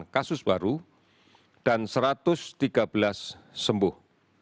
satu ratus lima puluh delapan kasus baru dan satu ratus tiga belas sembuh